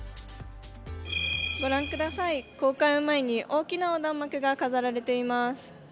ご覧ください、公開の前に大きな横断幕が飾られています。